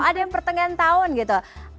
ada yang pertengahan tahun gitu